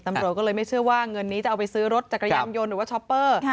ตำรวจก็เลยไม่เชื่อว่าเงินนี้จะเอาไปซื้อรถจักรยานยนต์หรือว่าช้อปเปอร์